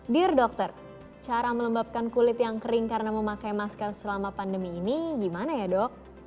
dear dokter cara melembabkan kulit yang kering karena memakai masker selama pandemi ini gimana ya dok